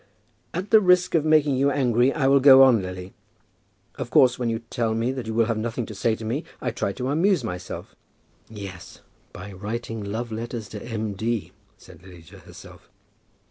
"At the risk of making you angry I will go on, Lily. Of course when you tell me that you will have nothing to say to me, I try to amuse myself" "Yes; by writing love letters to M. D.," said Lily to herself.